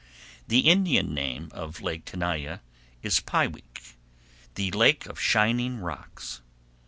The Indian name of Lake Tenaya is "Pyweak"—the lake of shining rocks.